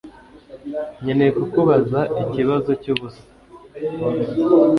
Nkeneye kukubaza ikibazo cyubusa.